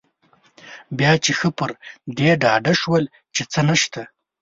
بیا چې ښه پر دې ډاډه شول چې څه نشته.